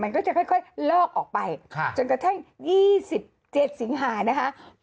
มันก็จะค่อยลอกออกไปจนกระทั่ง๒๗สิงหานะคะ